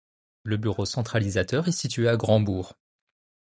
Le bureau centralisateur est situé à Grand-Bourg.